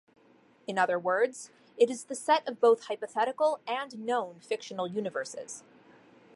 In other words, it is the set of both hypothetical, and known fictional universes.